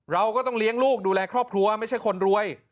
เราก็ต้องเลี้ยงลูกดูแลครอบครัวไม่ใช่คนรวย